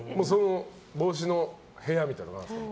帽子の部屋みたいなのがあるんですか？